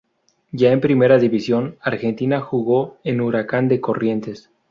Ya en Primera División Argentina jugó en Huracán de Corrientes.